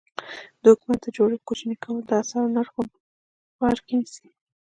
د حکومت د جوړښت کوچني کول د اسعارو نرخ بر کې نیسي.